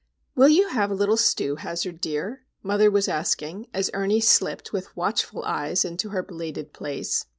"Will you have a little stew, Hazard dear?" mother was asking, as Ernie slipped with watchful eyes into her belated place.